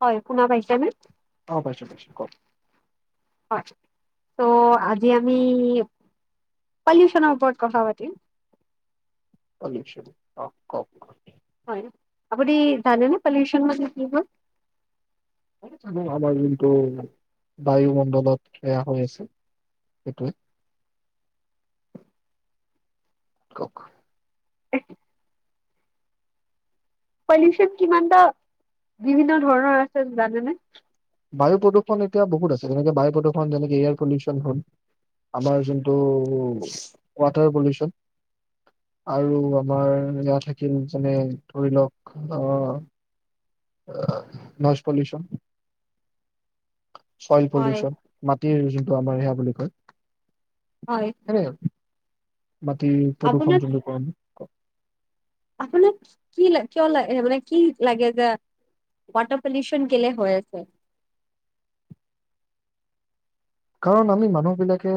হয় শুনা পাইছে নে? অ পাইছোঁ পাইছোঁ কক হয় ত' আজি আমি পলিউচনৰ ওপৰত কথা পাতিম পলিওচন অ কওক । হয় আপনি জানে নে পলিউচন মানে কি হয়? [unintelligible] আমাৰ যোনটো বায়ুমণ্ডলত সেয়া হৈ আছে সেইটোৱে কক পলিউচন কিমানটা বিভিন্ন ধৰণৰ আছে জানেনে? বায়ু প্ৰদূষণ এতিয়া বহুত আছে যেনেকে বায়ু প্ৰদূষণ যেনেকে এয়াৰ পলিউচন হ'ল । আমাৰ যোনটো ৱাটাৰ পলিউচন, আৰু আমাৰ ইয়াত থাকিল যেনে ধৰি লওক আহ আ নইজ পলিউচন চইল হয় পলিউচন মাটিৰ ত আমাৰ সেয়া বুলি হয় কয় হ মাটিৰ প্ৰদূষণ আপোনাক যোনটো কম আপোনাক কি-কি কিয় ল মানে কিয় লাগে যে ৱাটাৰ পলিউচন কেলে হৈ আছে? কাৰণ আমি মানুহবিলাকে,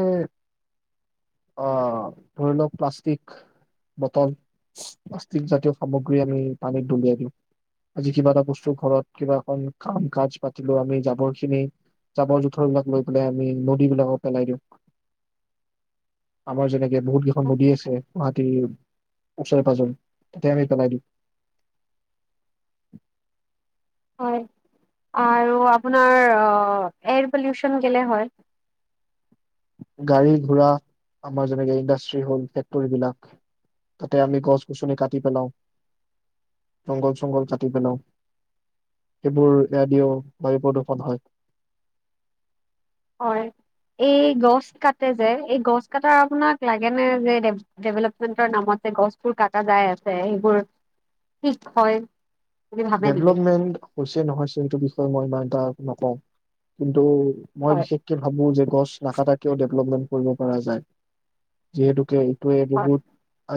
আহ ধৰি লওক প্লাষ্টিক বটল অস্তিক জাতীয় সামগ্ৰী আমি পানীত দলিয়াই দিওঁ, আজি কিবা এটা বস্তু ঘৰত কিবা এ কাম কাজ পাতিলও আমি জাবৰ খিনি জাবৰ জোথৰ বিলাক লৈ পেলাই আমি নদী বিলাকক পেলাই দিওঁ। আমাৰ যেনে ইয়াত বহুত কেইখন নদী আছে মাটিৰ ওচৰে পাজৰে তেতিয়া আমি পেলাই দিওঁ হয়, আৰু আপোনাৰ আ এয়াৰ পলিউচন কেলে হয়? গাড়ী ঘোঁৰা, আমাৰ যেনেকে ইণ্ডাষ্ট্ৰি হল ফেক্টৰী বিলাক তাতে আমি গছ গছনি কাটি পেলাও, জংঘল চংঘল কাটি পেলাও, সেইবোৰেদিও বায়ু প্ৰদূ্ষন হয়। হয়, এই গছ কাটে যে এই গছ কাটাৰ আপোনাক লাগেনে যে ডেভ-ডেভেলপমেণ্টৰ নামত যে গছবোৰ কাটা যায় আছে সেইবোৰ ঠিক হয় বুলি ভাবে নেকি? ডেভলপমেন্ট হৈছে নহয়ছে সেইটো বিষয়ে মই ইমান এটা নকওঁ কিন্তু মই হয় বিশেষকে ভাবো যে গছ নাকাতাই কিয় ডেভলপমেন্ট কৰিব পৰা যায়, যিহেতুকে টোৱে হয় বহুত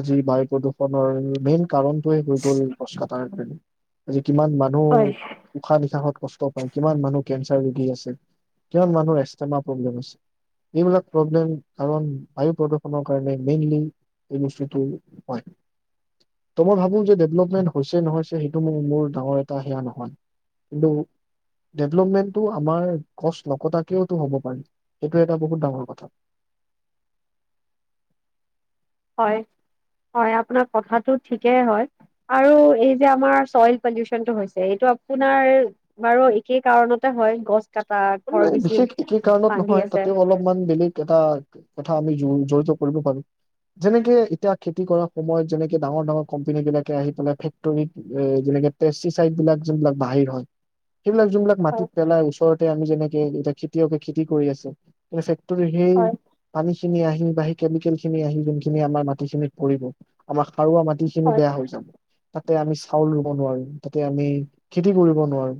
আজি বায়ু প্ৰদূষণৰ মেইন কাৰণটোয়ে হৈ গ'ল গছ কাটাৰ কাৰনে [unintelligible] কিমান মানুহ হয় উশাহ নিশাহত কষ্ট পায় কিমান মানুহ কেঞ্চাৰ ৰোগী আছে, কিমান মানুহ এছতেমা প্ৰব্লেম আছে, এইবিলাক প্ৰব্লেম আমাৰ বায়ু প্ৰদূষণৰ কাৰণে মেইনলি এই বস্তুটো হয়। ত মই ভাবো যে ডেভেলপমেণ্ট হৈছে নহয়ছে সেইটো মোৰ মোৰ ডাঙৰ এটা সেয়া নহয়। কিন্তু, ডেভলপমেণ্টটো আমাৰ গছ নকটাকেওতো হ'ব পাৰে, সেইটো এটা বহুত ডাঙৰ কথা। হয় হয় আপোনাৰ কথাটো ঠিকেই হয় আৰু এই যে আমাৰ চইল পলিউচনটো হৈছে এইটো আপোনাৰ বাৰু একেই কাৰণতে হয় গছ কটা ঘৰ এনে বেছি বিশেষ একেই কাৰণত বান্ধি নহয় আছে তাতেও অলপমান বেলেগ এটা কথা আমি জড়িত কৰিব পাৰোঁ। যেনেকে এতিয়া খেতি কৰা সময়ত যেনেকে ডাঙৰ ডাঙৰ কোম্পেনী বিলাকে আহি পেলাই ফেক্টৰীত যেনেকে পেষ্টিচাইদ বিলাক যিবিলাক বাহিৰ হয় সেইবিলাক যোনবিলাক হয় মাটিত পেলাই ওচৰত আমি যেনেকে এয়া খেতিয়কে খেতি কৰি আছে, ইনফেক্ট ত সেই হয় পানী খিনি আহি বা সেই কেমিকেল খিনি আহি যোনখিনি আমাৰ মাটি খিনিত পৰিব আমাক সাৰুৱা মাটিখিনি হয় বেয়া হৈ যাব তাতে আমি চাউল ৰুব নোৱাৰিম তাতে আমি খেতি কৰিব নোৱাৰো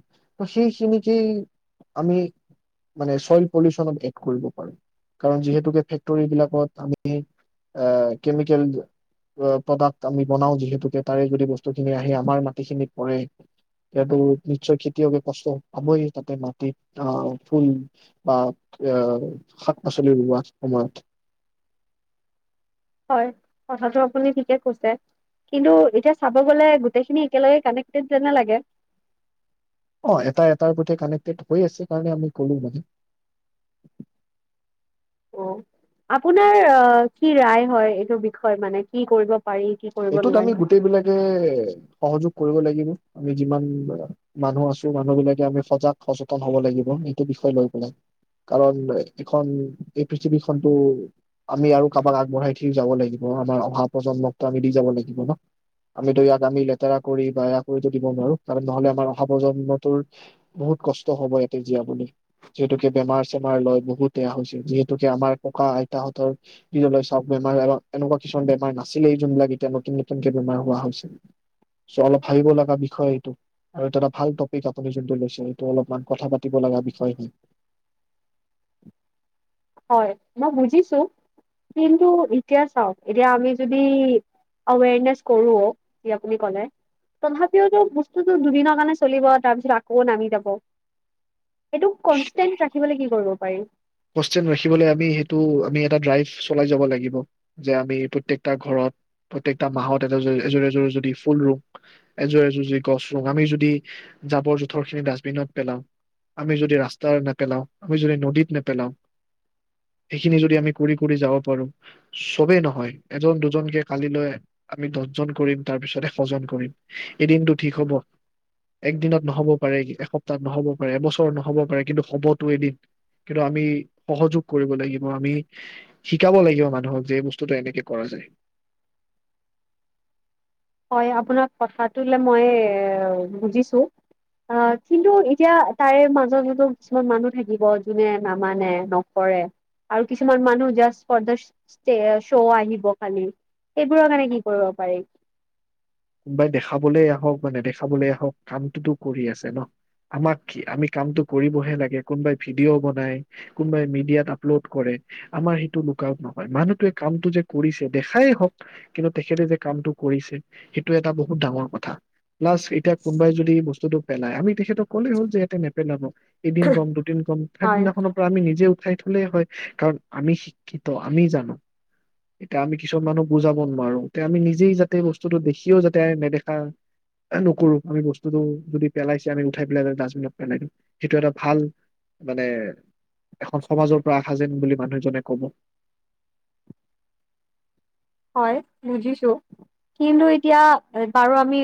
সেইখিনিকেই আমি মানে চইল পলচনত এড কৰিব পাৰো কাৰণ যিহেতুকে ফেক্টৰী বিলাকত আমি আহ কেমিকেল প্ৰডাক্ট আমি বনাও যিহেতুকে তাৰে যদি বস্তুখিনি আহি আমাৰ মাটিখিনিত পৰে সেতো নিশ্চয় খেতিয়কে কষ্ট পাবই তাতে মাটিত ফুল বা শাক পাচলি ৰোৱা সময়ত হয় কথাটোটো আপুনি ঠিকে কৈছে, কিন্তু এতিয়া চাব গ'লে গোটেইখিনি একেলগে কানেক্টটেড যেনেই লাগে। অ এটা এটাৰ প্ৰতি কানেকটেড হৈ আছে কাৰণে আমি ক'লো মানে। অ আপোনাৰ কি ৰায় হয় এইটো বিষয়ে মানে কি কৰিব পাৰি কি কৰিব এইটোত আমি নোৱাৰি গোটেই বিলাকে সহযোগ কৰিব লাগিব আমি যিমান মানুহ আছো, মানুহ বিলাকে আমি সজাগ-সচেতন হব লাগিব এইটো বিষয় লৈ পেলায় । কাৰণ এই পৃথিৱীখনটো আমি আৰু কাবাক আগবঢ়াই থৈ যাব লাগিব আমাৰ অহা প্ৰজন্মক। আমি দি যাব লাগিব ন। আমিতো ইয়াক লেতেৰা কৰি বা বেয়া কৰিতো দিব নোৱাৰো, কাৰণ আমাৰ অহা প্ৰজন্মটোৰ বহুত কষ্ট হব ইয়াতে জীয়াবলৈ। যিহেতুকে বেমাৰ চেমাৰ লৈ বহুত বেয়া হৈছে, যিহেতুকে আমাৰ ককা আইতাহঁতৰ দিনলৈ চাওক, বেমাৰ এনেকুৱা কিছুমান বেমাৰ নাছিল। যোনবিলাক এতিয়া নতুন নতুনকে বেমাৰ হোৱা হৈছে, চ' অলপ ভাবিব লগা বিষয় এইটো আৰু এইটো এটা ভাল টপিক আপুনি যোনটো লৈছে, এইটো অলপমান কথা পাতিব লগা বিষয় হয়। হয়, মই বুজিছো কিন্তু এতিয়া চাওক এতিয়া আমি যদি আৱৰনেছ কৰোৱো যি আপুনি কলে তথাপিতো বস্তুটো দুদিনৰ কাৰণে চলিব তাৰপিছত আকৌ নামি যাব। এইটো কনষ্টেণ্ট ৰাখিবলৈ কি কৰিব পাৰি [inaudible] ৰাখিবলে আমি সেইটো আমি এটা ড্ৰাইভ চলাই যাব লাগিব যে আমি প্ৰত্যেকটা ঘৰত প্ৰত্যেকটা মাহত এযোৰ এযোৰ যদি ফুল ৰুওঁ, এযোৰ এযোৰ যদি গছ ৰুওঁ, আমি যদি জাবৰ-জোথৰ খিনি ডাষ্টবিনত পেলাওঁ। আমি যদি ৰাস্তাত নেপেলাওঁ, আমি যদি নদীত নেপেলাওঁ, সেইখিনি যদি আমি কৰি কৰি যাব পাৰো, চবেই নহয়, এজন দুজনকে কালিলৈ আমি দহজন কৰিম, তাৰ পিছত এশজন কৰিম, এদিনটো ঠিক হ'ব। একদিনত নহ'ব পাৰে, এসপ্তাহত নহ'ব পাৰে, এবছৰ নহ'ব পাৰে, কিন্তু হবতো এদিন। কিন্তু আমি সহযোগ কৰিব লাগিব, আমি শিকাব লাগিব মানুহক যে এই বস্তুটো এনেকে কৰা যায়। হয়, আপোনাৰ কথাটো মই বুজিছো কিন্তু এতিয়া তাৰে মাজতো কিছুমান মানুহ থাকিব যোনে নামানে নকৰে আৰু কিছুমান মানুহ জাষ্ট ফৰ দ শ্ব' আহিব খালি সেইবোৰৰ কাৰণে কি কৰিব পাৰি? কোনোবাই দেখাবলৈ আহক বা নেদেখাবলৈ আহক, কামটোতো কৰি আছে ন। আমাক কি, আমি কামটো কৰিবহে লাগে। কোনোবাই ভিডিঅ' বনাই, কোনোবাই মিডিয়াত আপলোড কৰে আমাৰ সেইটো লুক আউট নহয়। মানুহটোৱে কামটো যে কৰিছে দেখায়েই হওক, কিন্তু তেখেতে যে কামটো কৰিছে। সেইটো এটা বহুত ডাঙৰ কথা প্লাছ এতিয়া কোনোবাই যদি বস্তুটো পেলাই আমি তেখেতক ক'লে হ'ল যে ইয়াতে নেপেলাব এদিন গমটো দুদিন কম, হয় থাৰ্ডদিনাখনৰ পৰা আমি নিজেও চাই থলে হয়। কাৰণ আমি শিক্ষিত, আমি জানো। এতিয়া আমি কিছুমান মানুহক বুজাব নোৱাৰো। এতিয়া আমি নিজেই যাতে বস্তু বস্তুটো দেখিও যাতে নেদেখা নকৰোঁ। আমি বস্তুটো যদি পেলাইছে আমি উঠাই পেলাই ডাষ্টবিনত পেলাই দিওঁ। সেইটো এটা ভাল মানে এখন সমাজৰ পৰা আশা যেন বুলি মানুহ এজনে কব। হয় বুজিছো কিন্তু এতিয়া বাৰু আমি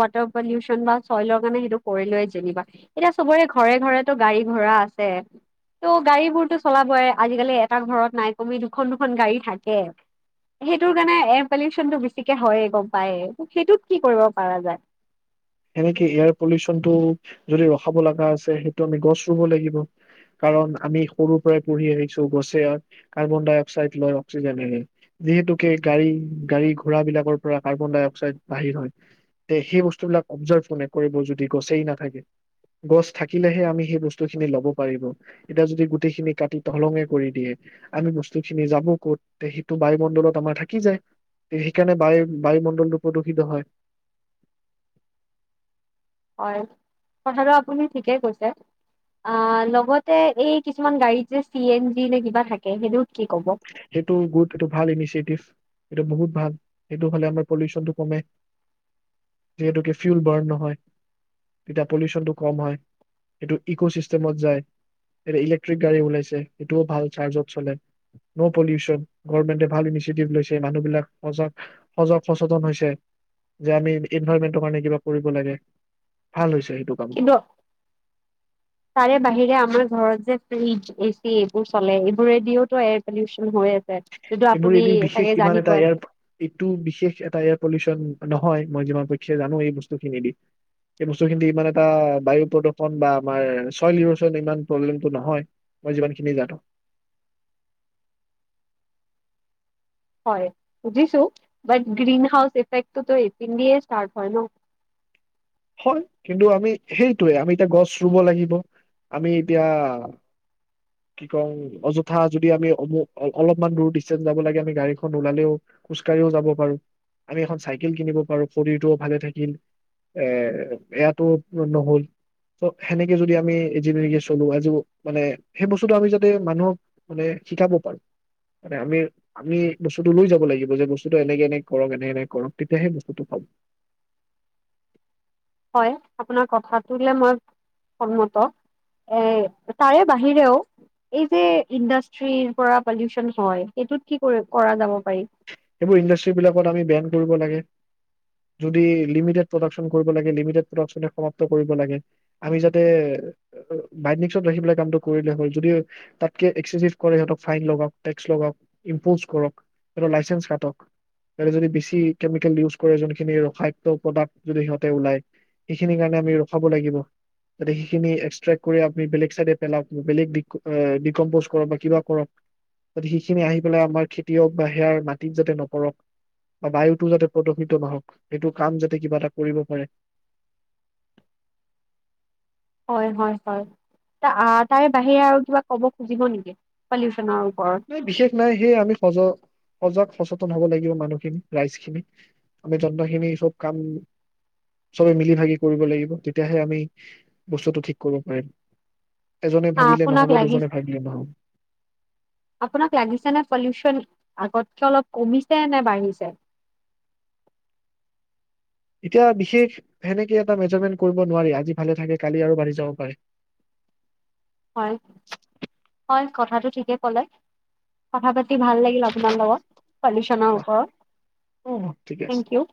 ৱাটাৰ পলিউচন বা চইলৰ কাৰণে সেইটো কৰিলোয়ে যেনিবা এতিয়া চবৰে ঘৰে ঘৰে গাড়ী ঘোঁৰা আছে ত' গাড়ী বোৰতো চলাবই আজিকালি এটা ঘৰত নাই কমেও দুখন দুখন গাড়ী থাকে। সেইটোৰ কাৰণে এয়াৰ পলিউচনটো বেছিকে হয়য়ে গম পায়ে ত সেইটোত কি কৰিব পাৰা যায়? সেনেকে এয়াৰ পলিউচনটো যদি ৰখাব লগা আছে সেইটো আমি গছ ৰুব লাগিব, কাৰণ আমি সৰুৰ পৰাই পঢ়ি আহিছো গছে কাৰ্বন ডাই অক্সাইড লয় অক্সিজেন এৰে, যিহেতুকে গাড়ী গাড়ী ঘোঁৰা বিলাকৰ পৰা কাৰ্বন ডাই অক্সাইড বাহিৰ হয় সেই বস্তুবিলাক অবজাৰভ কোনে কৰিব যদি গছেই নাথাকে, গছ থাকিলেহে আমি সেই বস্তুখিনি ল'ব পাৰিব, এতিয়া যদি গোটেইখিনি কাটি তহিলং কৰি দিয়ে, আমি বস্তুখিনি যাব ক'ত সেইটো বায়ুমণ্ডলত আমাৰ থাকি যায়, সেইকাৰণে বায়ু বায়ুমণ্ডলটো প্ৰদূষিত হয়।‌ হয় কথাটো আপুনি ঠিকেই কৈছে লগতে এই কিছুমান গাড়ী যে চি এন জি নে কিবা থাকে সেইটোত কি কব সেইটো গুড এইটো ভাল ইনিচিয়েটিভ। এইটো বহুত ভাল, সেইটো হ'লে আমাৰ পলিউচনটো কমে। যিহেতুকে ফিউল বাৰ্ণ নহয় তেতিয়া পলিউচনটো কম হয়। এইটো ইক' চিষ্টেমত যায়, এতিয়া ইলেক্ট্ৰিক গাড়ী ওলাইছ, সেইটোও ভাল চাৰ্জত চলে। ন' পলিউচন, গভমেন্টে ভাল ইনিচিয়েটিভ লৈছে মানুহবিলাক সজাগ, সজাগ সচেতন হৈছে যে আমি এনভাইৰমেন্টৰ কাৰণে কিবা কৰিব লাগে ভাল হৈছে। সেইটো কামটো কিন্তু তাৰে বাহিৰে আমাৰ ঘৰত যে ফ্ৰিজ, এচি এইবোৰ চলে এইবোৰে দিওতো এয়াৰ পলিউচন হৈ আছে। যিটো এইবোৰ আপুনি এনে চাগে বিশেষ ইমান এটা জানিবই এয়াৰ এইটো বিশেষ এটা এয়াৰ পলিউচন নহয় মই যিমান পক্ষে জানো এই বস্তুখিনি দি, এই বস্তুখিনি ইমান এটা বায়ু প্ৰদূষন বা আমাৰ চইল ইৰচন ইমান প্ৰব্লেমটো নহয় মই যিমানখিনি জানো। হয় বুজিছো, বাট গ্ৰীনহাউচ ইফেক্টটোতো ইপিনদিয়েই ষ্টাৰ্ত হয় ন? হয়, কিন্তু আমি সেইটোৱে আমি এতিয়া গছ ৰুব লাগিব, আমি এতিয়া কি কওঁ অযথা যদি আমি অলপমান দূৰ ডিচেঞ্চ যাব লাগে আমি গাড়ীখন নোলালেও খোজকাঢ়িও যাব পাৰো, আমি এখন চাইকেল কিনিব পাৰো শৰীৰটোও ভালে থাকিল। এ এয়াটো নহল ত সেনেকে যদি আমি চলো আজি মানে সেই বস্তুটো আমি যাতে মানুহক মানে শিকাব পাৰো মানে আমি আমি বস্তুটো লৈ যাব লাগিব যে বস্তুটো এনেকে এনে কৰক এনেক এনে কৰক তেতিয়া সেই বস্তুটো পাব। হয় আপোনাৰ কথাটো মই সন্মত এ তাৰে বাহিৰেও এই যে ইণ্ডাষ্ট্ৰিৰ পৰা পলিউচন হয় সেইটোত কি কৰা যাব পাৰি সেইবোৰ ইণ্ডাষ্ট্ৰিৰ বিলাকত আমি বেন কৰিব লাগে, যদি লিমিটেড প্ৰদাকচন কৰিব লাগে লিমিটেড প্ৰদাকচনে সমাপ্ত কৰিব লাগে। আমি যাতে বাইনদিংচত ৰাখি পেলায় কামটো কৰিলে হ'ল যদি তাতকে এক্সেছ কৰে, ফাইন লগাওক, টেক্স লগাওক, ইম্পচ কৰক, সিহঁতৰ লাইচেঞ্চ কাটক যদি বেছি কেমিকেল ইউজ কৰে যোনখিনি ৰসায়ক্ত প্ৰদাক্ট যদি সিহতে ওলাই সেইখিনি কাৰণে আমি ৰখাব লাগিব যাতে সেইখিনি এক্সট্ৰে্ট কৰি আমি বেলেগ চাইডে পেলাওঁ বেলেগ ডিকমম্পজ কৰক বা কিবা কৰক সেইখিনি আহি পেলাই আমাৰ খেতিয়ক বা সেয়াৰ মাটিক যাতে নকৰক বা বায়ুটো যাতে প্ৰদূষিত নহক সেইটো কাম যাতে কিবা এটা কৰিব পাৰে হয় হয় হয় তাৰে বাহিৰে আৰু কিবা ক'ব খুজিব নেকি পলিউচনৰ ওপৰত নাই বিশেষ নাই সেই আমি সজ সজাগ সচেতন হব লাগিব মানুহখিনি, ৰাইজ খিনি আমি যন্তখিনি সব কাম চবে মিলি ভাগি কৰিব লাগিব তেতিয়াহে আমি বস্তুটো ঠিক কৰিব পাৰিম। এজনে আ ভাবিলে আপোনাক নহব লাগিছে দুজনে ভাবিলে নহব আপোনাক লাগিছে নে পলিউচন আগতকে অলপ কমিছে নে বাঢ়িছে? এতিয়া বিশেষ সেনেকে এটা মেজাৰমেন্ট কৰিব নোৱাৰি। আজি ভালে থাকে, কালি আৰু বাঢ়ি যাব পাৰে। হয়। হয়, কথাটো ঠিকে কলে। কথা পাতি পাতি ভাল লাগিল আপোনাৰ লগত পলিউচনৰ অ ওপৰত। অ ঠিকে আছে থেংক ইউ।